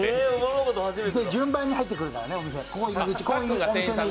順番に入ってくるからね、お店に。